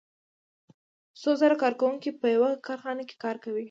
څو زره کارکوونکي په یوه کارخانه کې کار کوي